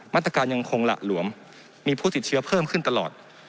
ยังคงหละหลวมมีผู้ติดเชื้อเพิ่มขึ้นตลอด